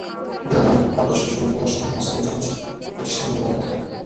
ঈদের আগে আরও আট-দশটি শোরুম খোলার সম্ভাবনা আছে বলে জানিয়েছেন প্রতিষ্ঠানগুলোর কর্মকর্তারা।